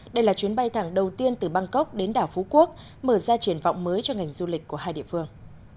đây là chuyến bay thẳng đầu tiên từ bangkok đến đảo phú quốc mở ra triển vọng mới cho ngành du lịch của hai địa phương